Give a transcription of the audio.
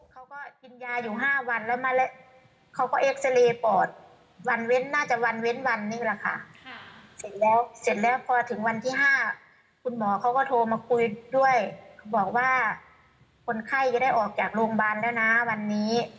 ก็บอกว่าคนไข้จะได้ออกจากโรงพยาบาลแล้วนะวันนี้